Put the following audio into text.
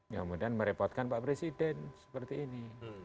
yang kemudian merepotkan pak presiden seperti ini